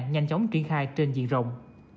nhanh chóng triển khai trên diện rồng